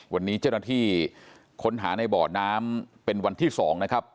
วันนี้เจ้าหน้าที่ค้นหาในบ่อน้ำเป็นวันที่๒นะครับ